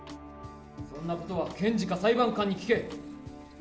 そんなことは検事か裁判官に聞け！